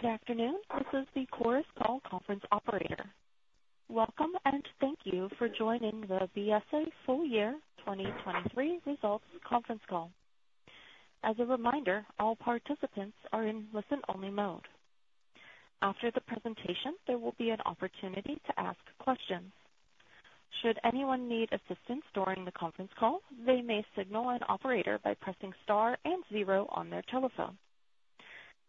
Good afternoon. This is the Chorus Call Conference Operator. Welcome, and thank you for joining the Biesse Full-Year 2023 Results Conference Call. As a reminder, all participants are in listen-only mode. After the presentation, there will be an opportunity to ask questions. Should anyone need assistance during the conference call, they may signal an operator by pressing star and zero on their telephone.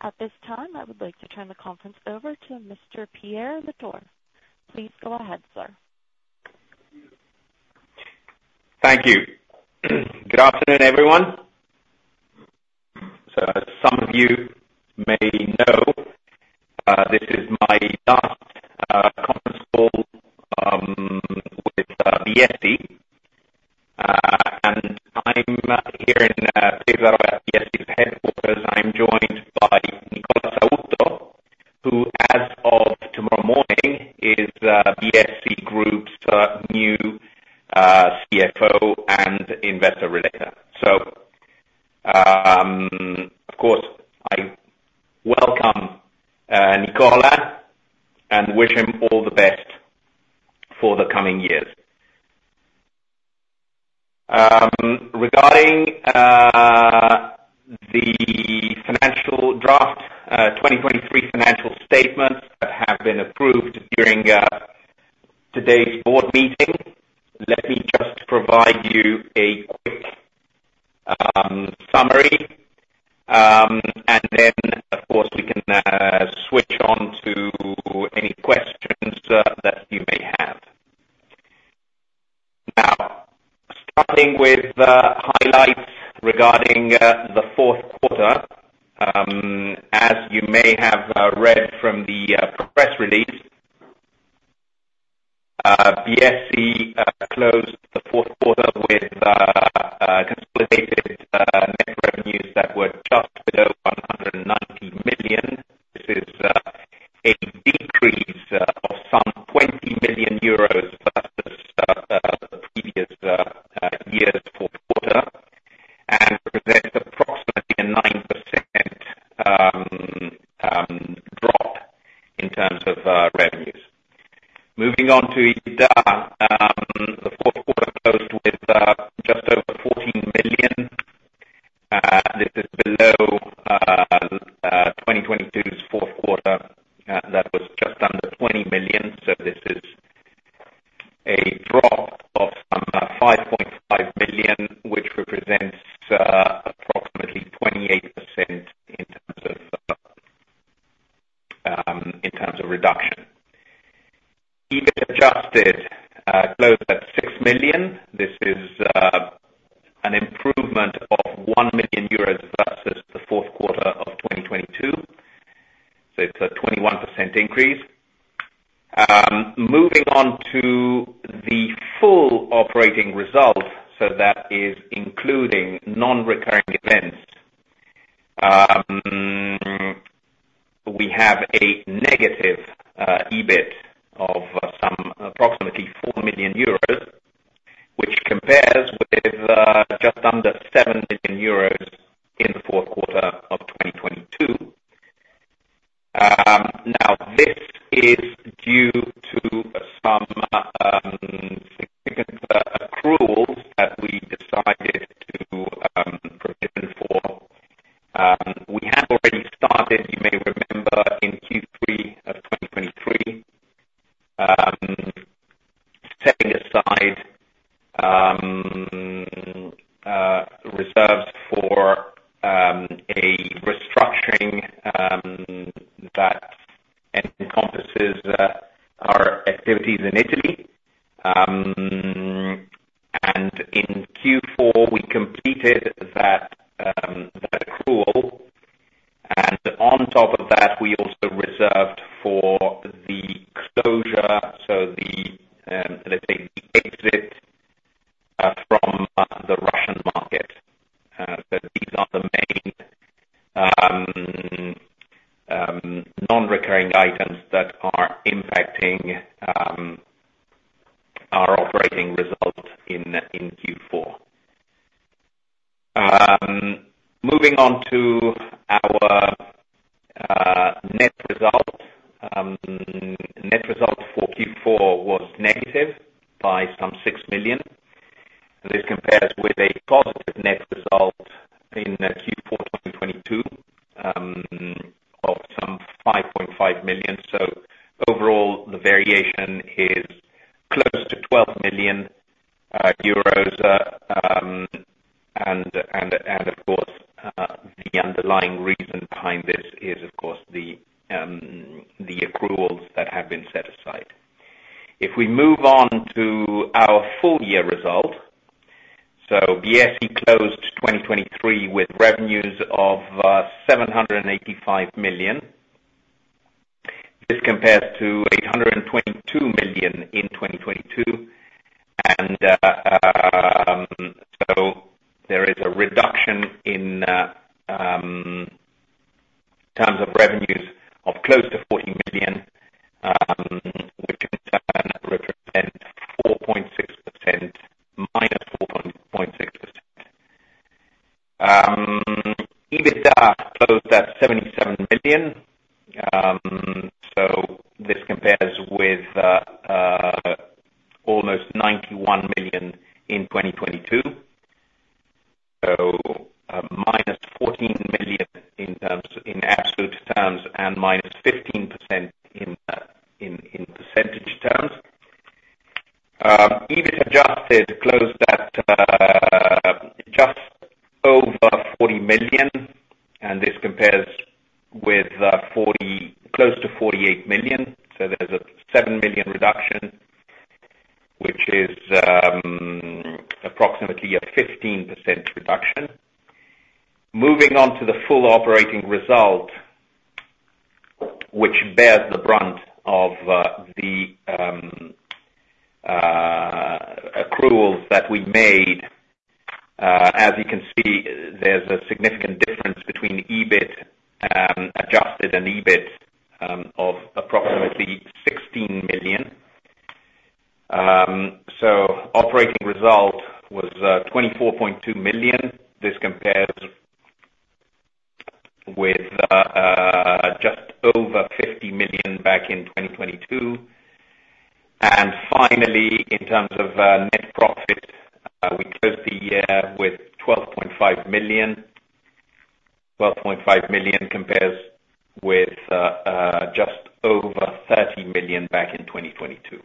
At this time, I would like to turn the conference over to Mr. Pierre La Tour. Please go ahead, sir. Thank you. Good afternoon, everyone. So as some of you may know, this is my last conference call with Biesse. And I'm here in Pesaro, at Biesse's headquarters. I'm joined by Nicola Sautto, who, as of tomorrow morning, is Biesse Group's new CFO and Investor Relator. So, of course, I welcome Nicola, and wish him all the best for the coming years. Regarding the financial draft, 2023 financial statements have been approved during today's board meeting. Let me just provide you a quick summary. And then, of course, we can switch on to any questions that you may have. Now, starting with the highlights regarding the fourth quarter. As you may have read from the press release, Biesse closed the fourth quarter with consolidated net revenues that were just below EUR 190 million. This is a decrease of some EUR 20 million versus the previous year's fourth quarter, and presents approximately a 9% drop in terms of revenues. Moving on to EBITDA, the fourth quarter closed with just over EUR 14 million. This is below 2022's fourth quarter that was just under EUR 20 million. So this is a drop of some 5.5 million euros, which represents approximately 28% in terms of reduction. EBIT adjusted closed at EUR 6 million. This is an improvement of 1 million euros versus the fourth quarter of 2022. So it's a 21% increase. Moving on to the full operating results, so that is including non-recurring events. We have a negative EBIT of approximately 4 million euros, which compares with just under 7 million euros in the fourth quarter of 2022. Now, this is due to some significant accruals that we decided to provision for. We had already started, you may remember, in Q3 of 2023, setting aside reserves for a restructuring that encompasses our activities in Italy, and in Q4, we completed that accrual, and on top of that, we also reserved for the closure, so the, let's say, the exit from the Russian market. So these are the main non-recurring items that are impacting our operating result in Q4. Moving on to our net result. Net result for Q4 was negative by some EUR 6 million. This compares with a positive net result in Q4 2022 of some EUR 5.5 million. So overall, the variation is close to EUR 12 million. And of course, the underlying reason behind this is, of course, the accruals that have been set aside. If we move on to our full year result. So Biesse closed 2023 with revenues of EUR 785 million. This compares to 822 million in 2022. And, so there is a reduction in terms of revenues of close to 40 million, which in turn represents 4.6%. -4.6%. EBITDA closed at EUR 77 million. So, this compares with almost 91 million in 2022. So, -14 million in terms, in absolute terms, and -15% in percentage terms. EBIT adjusted closed at just over 40 million, and this compares with close to 48 million. So there's a EUR 7 million reduction, which is approximately a 15% reduction. Moving on to the full operating result, which bears the brunt of the accruals that we made. As you can see, there's a significant difference between EBIT adjusted and EBIT of approximately 16 million. Operating result was 24.2 million. This compares with just over EUR 50 million back in 2022. Finally, in terms of net profit, we closed the year with 12.5 million. 12.5 million compares with just over 30 million back in 2022.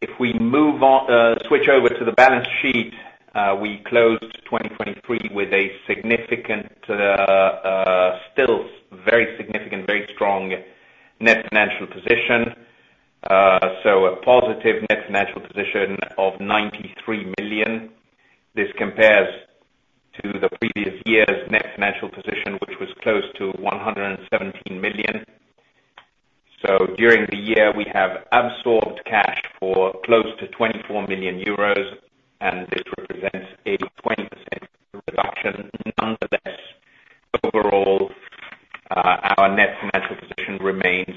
If we move on, switch over to the balance sheet, we closed 2023 with a significant, still very significant, very strong Net Financial Position. A positive Net Financial Position of 93 million. This compares to the previous year's Net Financial Position, which was close to 117 million. During the year, we have absorbed cash for close to 24 million euros, and this represents a 20% reduction. Nonetheless, overall, our net financial position remains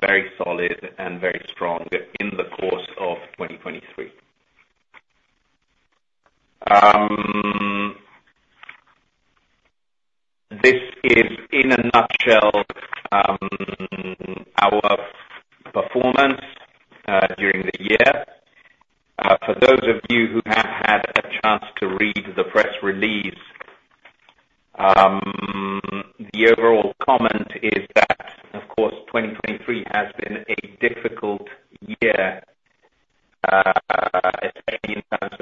very solid and very strong in the course of 2023. This is, in a nutshell, our performance during the year. For those of you who have had a chance to read the press release, the overall comment is that, of course, 2023 has been a difficult year, especially in terms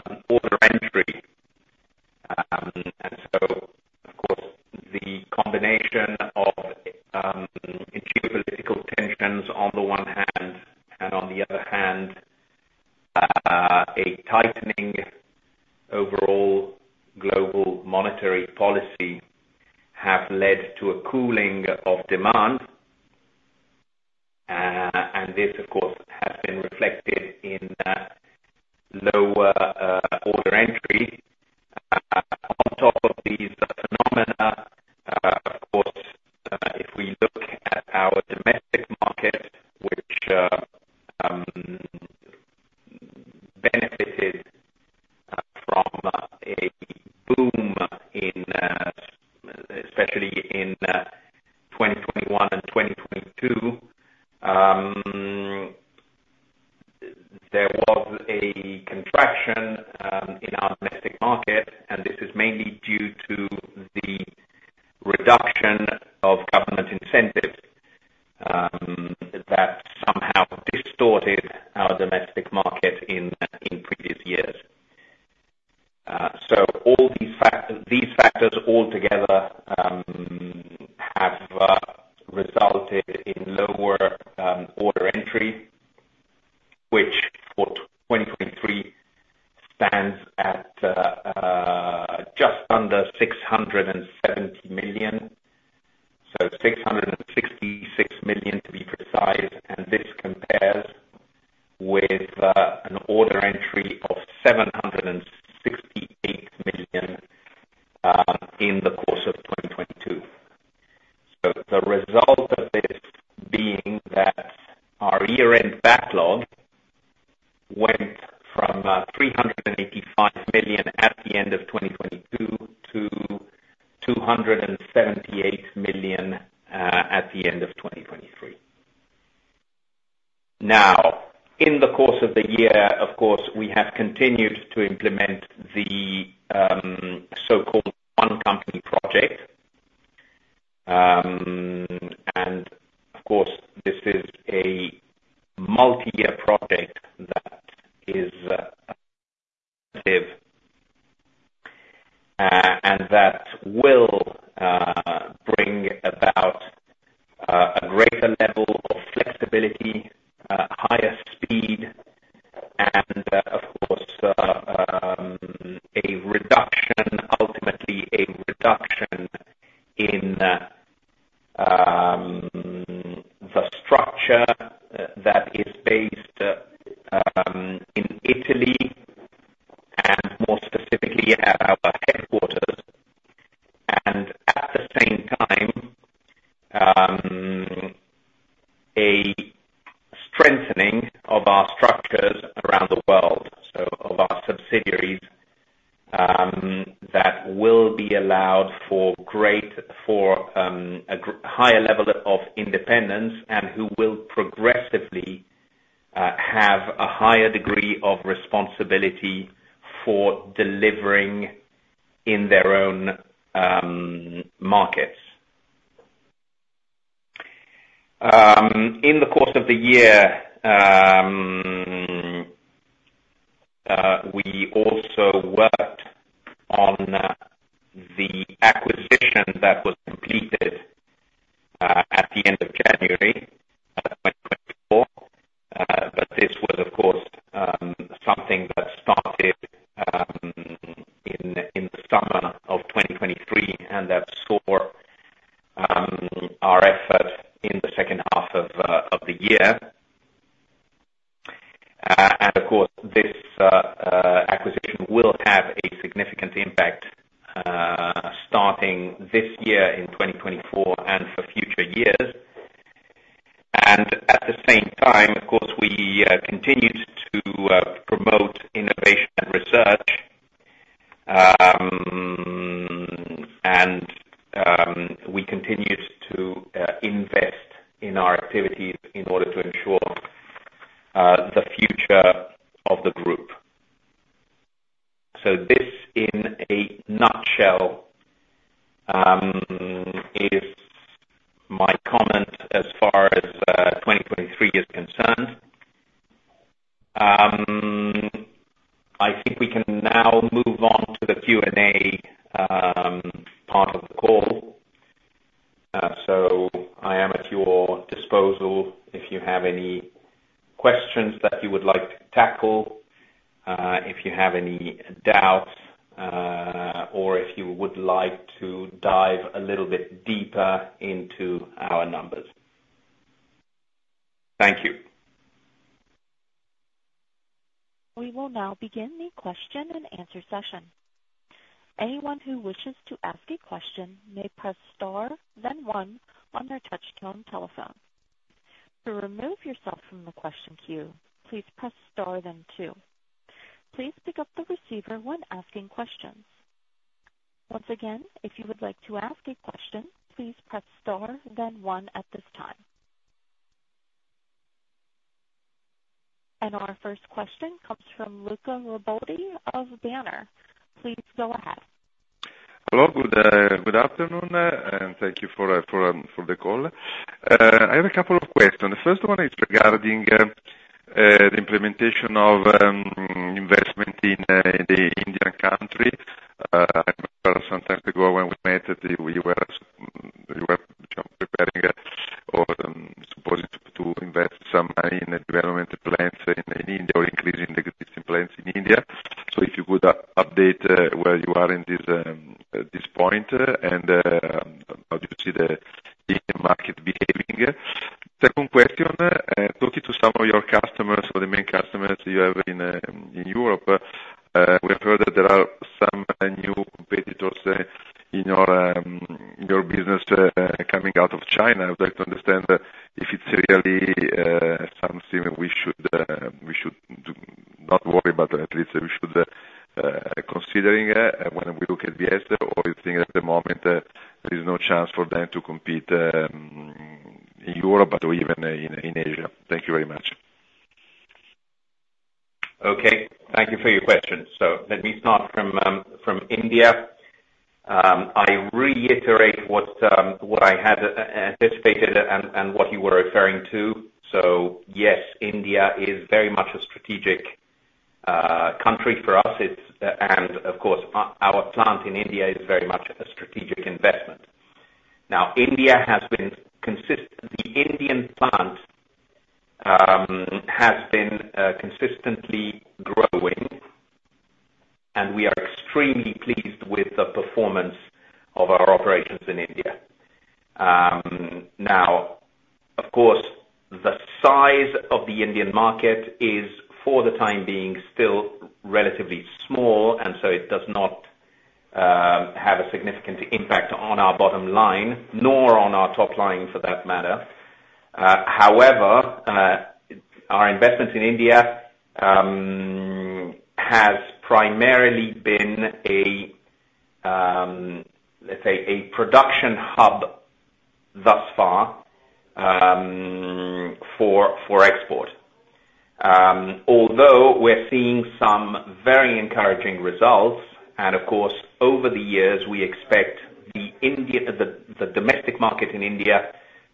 of order entry, and so, of course, the combination of geopolitical tensions on the one hand, and on the other hand a tightening overall global monetary policy, have led to a cooling of demand, and this, of course, has been reflected in lower order entry. On top of these phenomena, of course, if we look at our domestic market, which benefited from a boom in, especially in 2021 and 2022, there was a contraction in our domestic market, and this is mainly due to the reduction of government incentives that somehow distorted our domestic market in previous years, so all these factors altogether have resulted in lower order entry, which for 2023 stands at just under EUR 670 million. EUR 666 million, to be precise, and this compares with an order entry of EUR 768 million in the course of 2022. So the result of this being that our year-end backlog went from 385 million at the end of 2022 to 278 million at the end of 2023. Now, in the course of the year, of course, we have continued to implement that is based in Italy, and more specifically, at our headquarters. And at the same time. A strengthening of our structures around the world, so of our subsidiaries, that will allow for a greater level of independence and who will progressively have a higher degree of responsibility for delivering in their own markets. In the course of the year, we also worked on the acquisition that was completed at the end of January of 2024 but this was, of course, something that innovation and research. And we continued to invest in our activities in order to ensure the future of the group. So this, in a nutshell, is my comment as far as 2023 is concerned. I think we can now move on to the Q&A part of the call. So I am at your disposal if you have any questions that you would like to tackle, if you have any doubts, or if you would like to dive a little bit deeper into our numbers. Thank you. We will now begin the question and answer session. Anyone who wishes to ask a question may press star, then one on their touchtone telephone. To remove yourself from the question queue, please press star, then two. Please pick up the receiver when asking questions. Once again, if you would like to ask a question, please press star then one at this time. And our first question comes from Luca Riboldi of Banor. Please go ahead. Hello, good afternoon, and thank you for the call. I have a couple of questions. The first one is regarding the implementation of investment in India. Some time ago, when we met, we were and we are extremely pleased with the performance of our operations in India. Now, of course, the size of the Indian market is, for the time being, still relatively small, and so it does not have a significant impact on our bottom line, nor on our top line, for that matter. However, our investment in India has primarily been a, let's say, a production hub thus far, for export. Although we're seeing some very encouraging results, and of course, over the years, we expect the Indian domestic market in India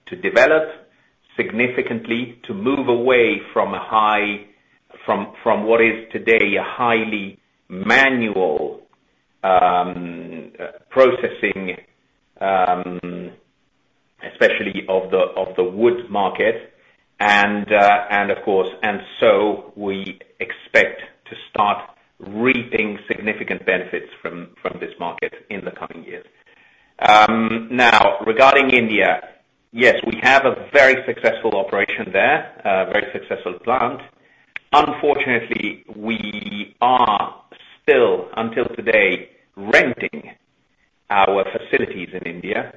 to develop significantly, to move away from what is today a highly manual processing, especially of the wood market. Of course, and so we expect to start reaping significant benefits from this market in the coming years. Now, regarding India, yes, we have a very successful operation there, a very successful plant. Unfortunately, we are still, until today, renting our facilities in India,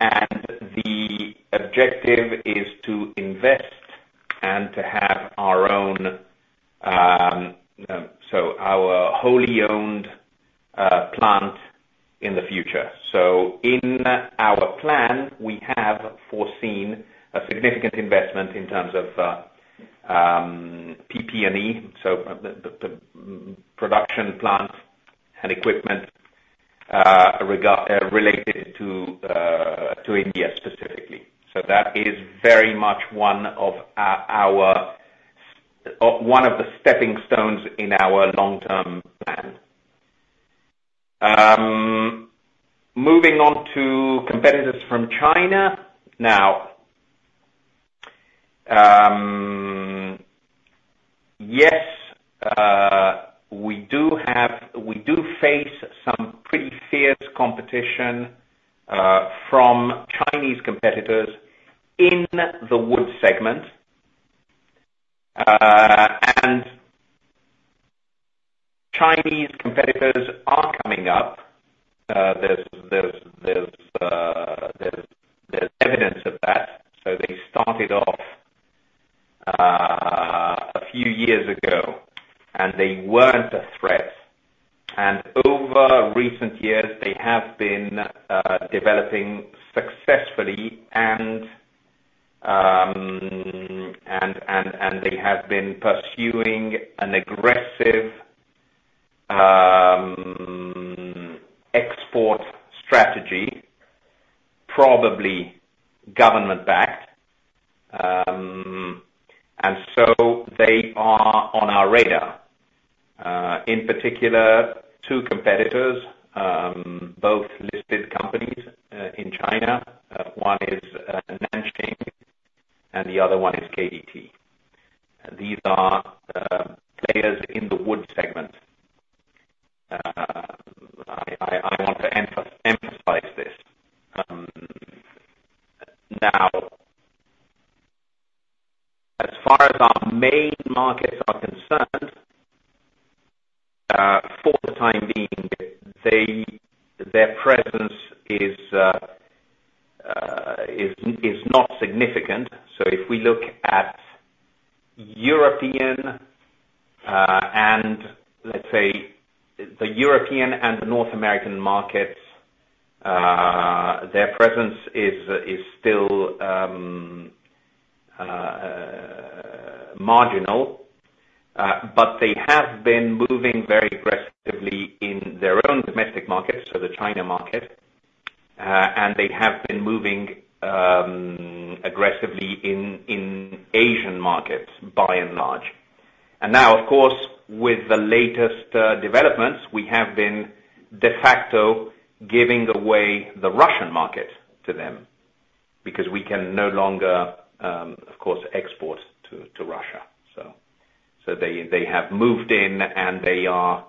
and the objective is to invest and to have our own wholly owned plant in the future. So in our plan, we have foreseen a significant investment in terms of PP&E, so the production plant and equipment related to India specifically. So that is very much one of our one of the stepping stones in our long-term plan. Moving on to competitors from China. Now, yes, we do face some pretty fierce competition from Chinese competitors in the Wood segment. And Chinese competitors are coming up. There's evidence of that. So they started off a few years ago, and they weren't a threat, and over recent years, they have been developing successfully and they have been pursuing an aggressive export strategy, probably government-backed. And so they are on our radar. In particular, two competitors, both listed companies, in China. One is Nanxing, and the other one is KDT. These are players in the Wood segment. I want to emphasize this. Now, as far as our main markets are concerned, for the time being, their presence is not significant. So if we look at European and let's say the European and the North American markets, their presence is still marginal, but they have been moving very aggressively in their own domestic markets, so the China market, and they have been moving aggressively in Asian markets, by and large. Now, of course, with the latest developments, we have been de facto giving away the Russian market to them, because we can no longer, of course, export to Russia. So they have moved in, and they are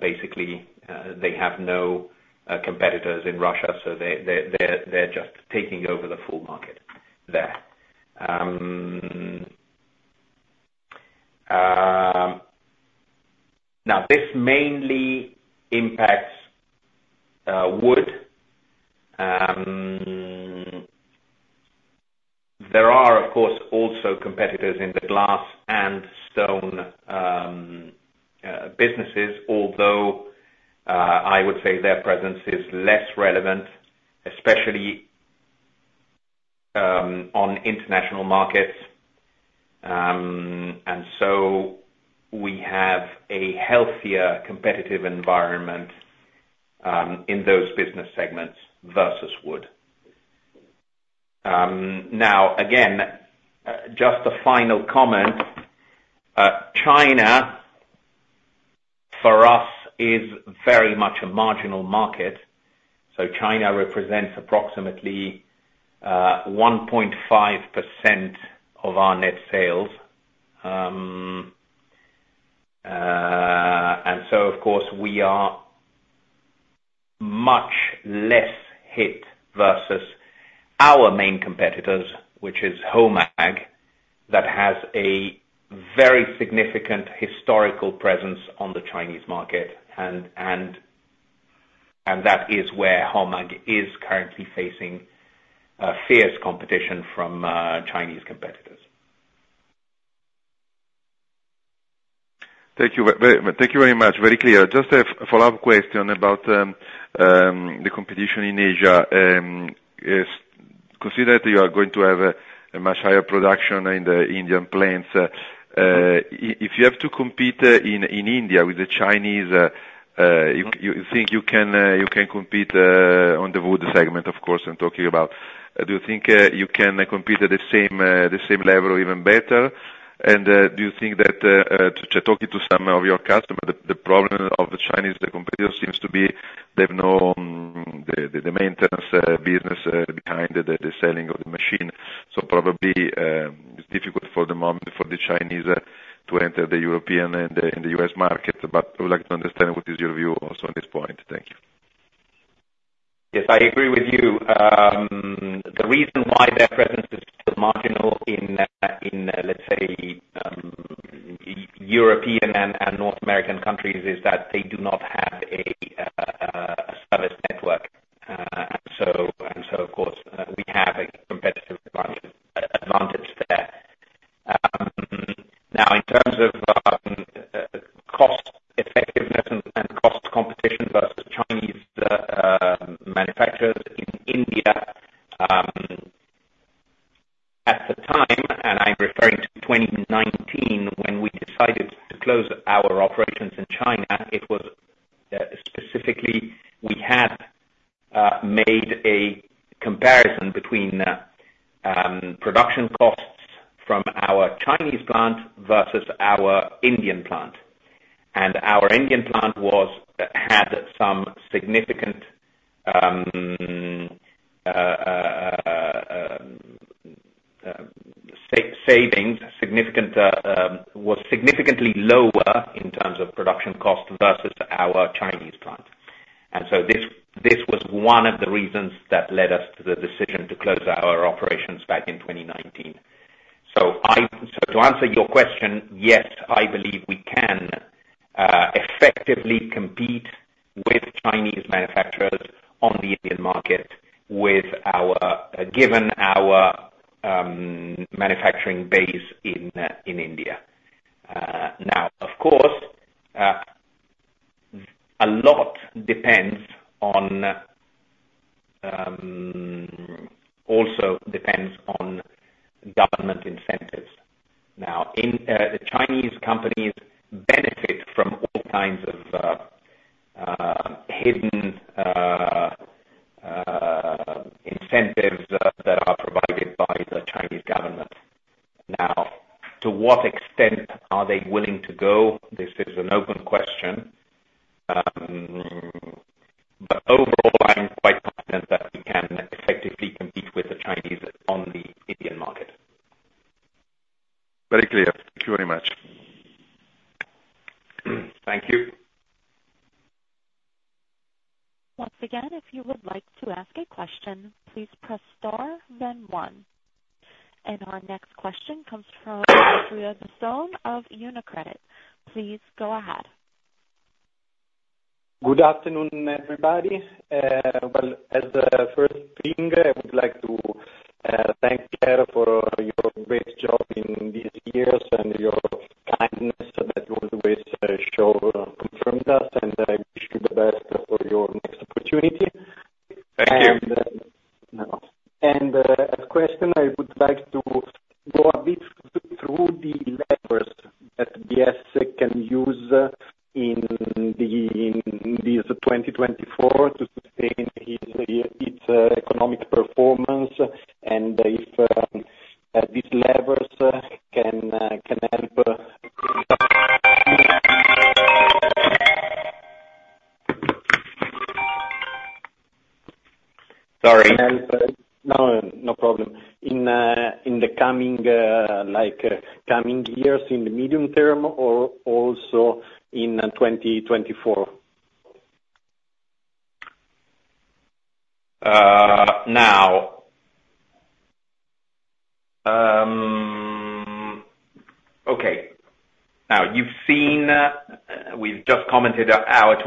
basically they have no competitors in Russia, so they're just taking over the full market there. Now this mainly impacts Wood. There are, of course, also competitors in the Glass and Stone businesses, although I would say their presence is less relevant, especially on international markets, and so we have a healthier competitive environment in those business segments versus Wood. Now, again, just a final comment. China, for us, is very much a marginal market. So China represents approximately 1.5% of our net sales. Of course, we are much less hit versus our main competitors, which is HOMAG that has a very significant historical presence on the Chinese market, and that is where HOMAG is currently facing fierce competition from Chinese competitors. Thank you very much. Very clear. Just a follow-up question about the competition in Asia. Considering that you are going to have a much higher production in the Indian plants, if you have to compete in India with the Chinese. You think you can compete on the Wood segment, of course, I'm talking about. Do you think you can compete at the same level or even better? And do you think that talking to some of your customers, the problem of the Chinese competitor seems to be they've known the maintenance business behind the selling of the machine. So probably it's difficult for the moment for the Chinese to enter the European and the U.S. market, but I would like to understand what is your view also on this point. Thank you. Yes, I agree with you. The reason why their presence is still marginal in, let's say, European and North American countries is that they do not have a service network. So, of course, we have a competitive advantage there. Now in terms of cost effectiveness and cost competition versus Chinese manufacturers in India, at the time, and I'm referring to 2019, when we decided to close our operations in China, it was specifically, we had made a comparison between production costs from our Chinese plant versus our Indian plant. And our Indian plant had some significant savings, was significantly lower in terms of production cost versus our Chinese plant. And so this was one of the reasons that led us to the decision to close our operations back in 2019. So to answer your question, yes, I believe we can effectively compete with Chinese manufacturers on the Indian market with our given our manufacturing base in in India. Now, of course, a lot also depends on government incentives. Now, in the Chinese companies benefit from all kinds of hidden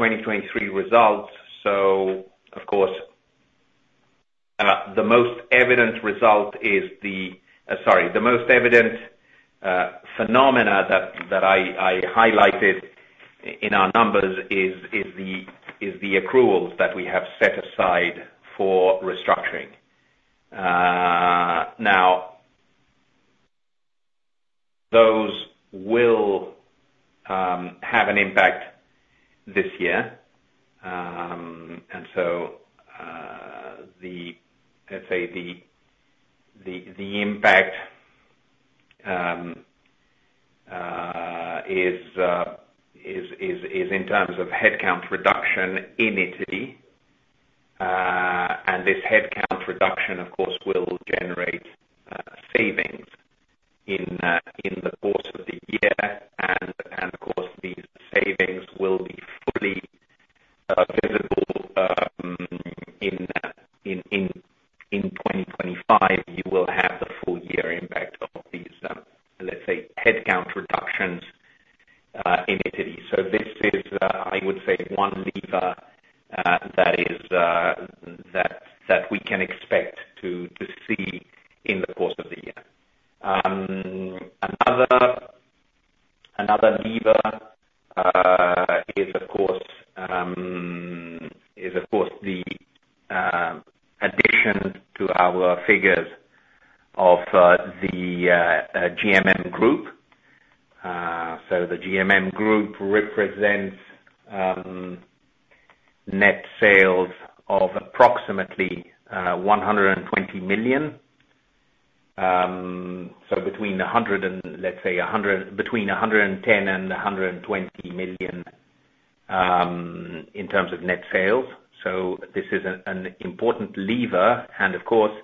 would like to thank Pierre for your great job in these years and your kindness that you always show in front of us, and I wish you the best for your next opportunity. Thank you. As a question, I would like to go a bit through the levers that Biesse can use in this 2024 to sustain its economic performance, and if these levers can help. Sorry. No, no problem. In the coming, like, coming years, in the medium-term or also in 2024. Okay. Now you've seen, we've just commented on our 2023 results, so of course, the most evident result is the, sorry, the most evident phenomena that I highlighted in our numbers is the accruals that we have set aside for restructuring. Now, those will have an impact this year. And so, the, let's say, the impact is in terms of headcount reduction in Italy, and this headcount reduction, of course, will generate savings in the course of the year, and of course, these savings will be fully visible in 2025. You will have the full year impact of these, let's say, headcount reductions in Italy. This is, I would say, one lever that we can expect to see in the course of the year. Another lever is, of course, the addition to our figures of the GMM Group. So the GMM Group represents net sales of approximately 120 million. So between 110 million and 120 million in terms of net sales. This is an important lever, and of course,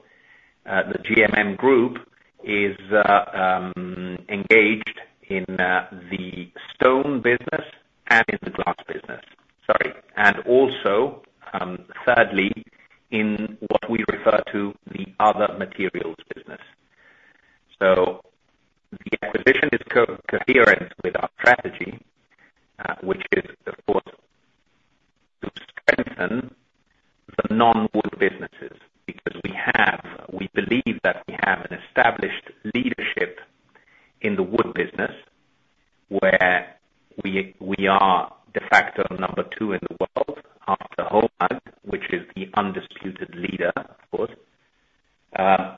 the GMM Group is engaged in the Stone business and in the Glass business. And also, thirdly, in what we refer to as the other materials business. So the acquisition is coherent with our strategy, which is, of course, to strengthen the non-Wood businesses, because we believe that we have an established leadership in the Wood business, where we are de facto number two in the world after HOMAG, which is the undisputed leader, of course.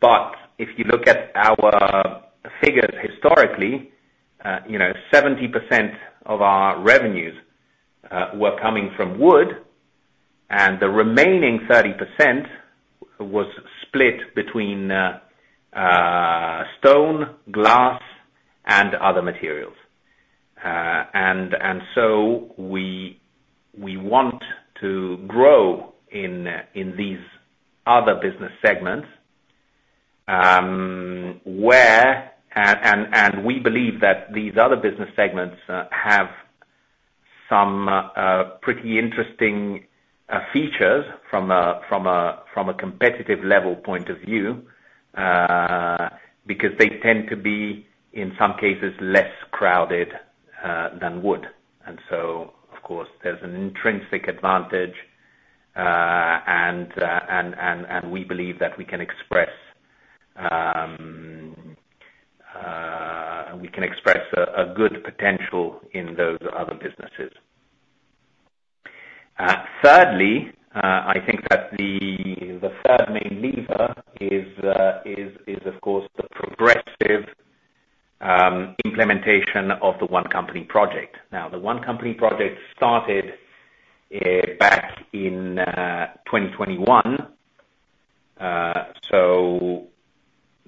But if you look at our figures historically, you know, 70% of our revenues were coming from Wood, and the remaining 30% was split between Stone, Glass, and other materials. So we want to grow in these other business segments, where we believe that these other business segments have some pretty interesting features from a competitive level point of view, because they tend to be, in some cases, less crowded than Wood. And so, of course, there's an intrinsic advantage, and we believe that we can express a good potential in those other businesses. Thirdly, I think that the third main lever is of course the progressive implementation of the One Company project. Now, the One Company project started back in 2021. So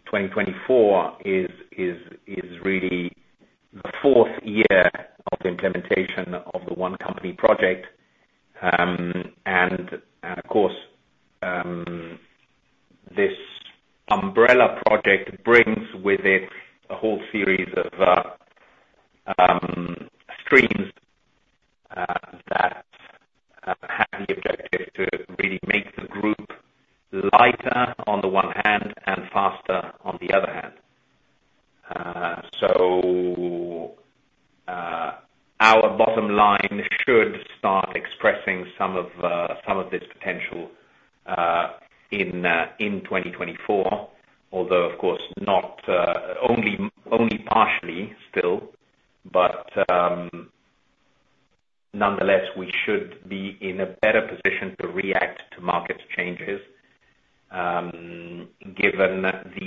2024 is really the fourth year of the implementation of the One Company project. And of course, this umbrella project brings with it a whole series of streams that have the objective to really make the group lighter on the one hand and faster on the other hand. So our bottom line should start expressing some of this potential in 2024, although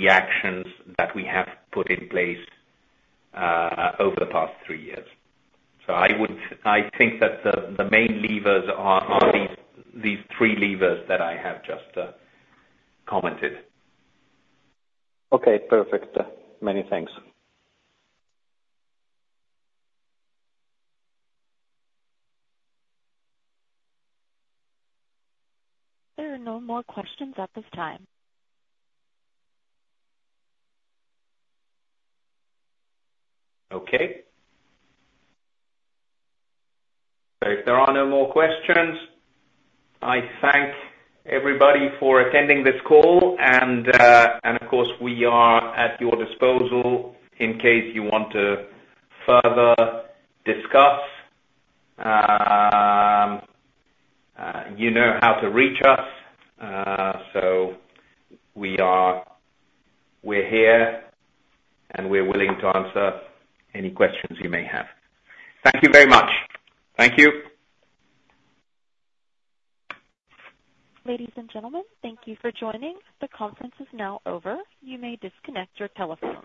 of course not only partially still. But nonetheless, we should be in a better position to react to market changes, given the actions that we have put in place over the past three years. I think that the main levers are these three levers that I have just commented. Okay, perfect. Many thanks. There are no more questions at this time. Okay. So if there are no more questions, I thank everybody for attending this call, and, and of course, we are at your disposal in case you want to further discuss. You know how to reach us, so we are, we're here, and we're willing to answer any questions you may have. Thank you very much. Thank you. Ladies and gentlemen, thank you for joining. The conference is now over. You may disconnect your telephone.